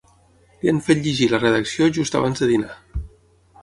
Li han fet llegir la redacció just abans de dinar.